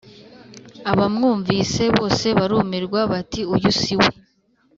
Abamwumvise bose barumirwa bati Uyu si we